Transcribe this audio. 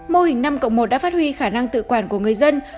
mô hình năm cộng một đã phát huy khả năng tự quản của người dân